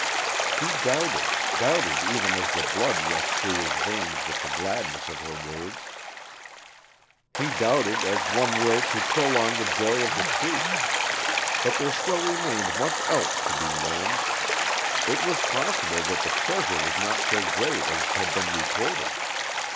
He doubted doubted even as the blood rushed through his veins with the gladness of her words. He doubted as one will to prolong the joy of the truth. But there still remained much else to be learned. It was possible that the treasure was not so great as had been reported.